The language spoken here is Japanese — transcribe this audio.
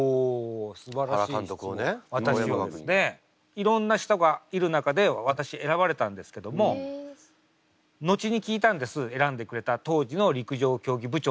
いろんな人がいる中で私選ばれたんですけども後に聞いたんです選んでくれた当時の陸上競技部長先生に聞いたんです。